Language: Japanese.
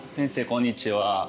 こんにちは。